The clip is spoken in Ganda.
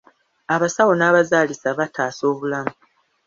Abasawo n'abazaalisa bataasa obulamu.